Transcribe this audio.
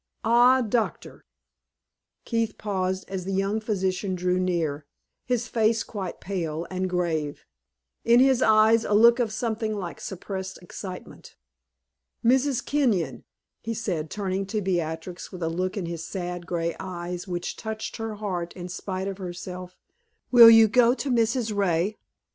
Ah, Doctor " Keith paused as the young physician drew near, his face quite pale and grave, in his eyes a look of something like suppressed excitement. "Mrs. Kenyon," he said, turning to Beatrix with a look in his sad, gray eyes which touched her heart in spite of herself, "will you go to Mrs. Ray?